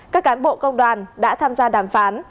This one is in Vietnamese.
các cán bộ công đoàn đã tham gia đàm phán